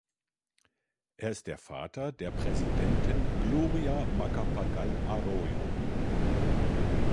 Er ist der Vater der Präsidentin Gloria Macapagal-Arroyo.